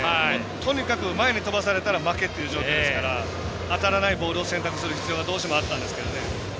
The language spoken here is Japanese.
とにかく前に飛ばされたら負けっていう状況ですから当たらないボールを選択する必要がどうしてもあったんですけど。